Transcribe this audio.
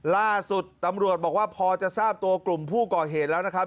ล่าสุดตำรวจบอกว่าพอจะทราบตัวกลุ่มผู้ก่อเหตุแล้วนะครับ